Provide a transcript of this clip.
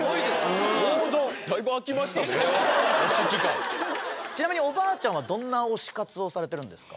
王道ちなみにおばあちゃんはどんな推し活をされてるんですか